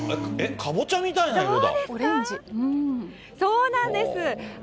かぼちゃみたいな色だ。